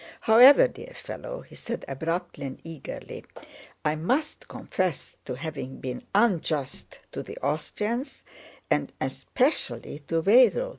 However, dear fellow," he said abruptly and eagerly, "I must confess to having been unjust to the Austrians and especially to Weyrother.